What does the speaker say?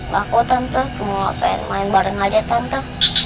gak kok tante cuma pengen main bareng aja tante